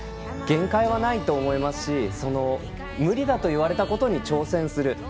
限界はないと思いますし無理だといわれたことに挑戦する。